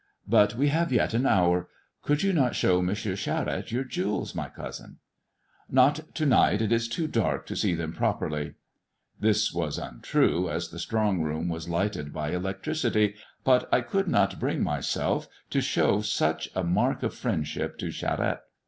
But we have yet an hour. Could you not show M. Charette your jewels, my cousin ]"" Not to night ; it is too dark to see them properly." This was untrue, as the strong room was lighted by electricity ; but I could not bring myself to show such a mark of friendship to Charette.